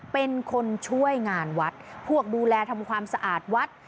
เป็นคนช่วยงานวัดพวกดูแลทำความสะอาดวัด